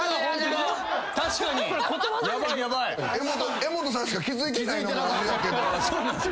柄本さんしか気付いてないのが。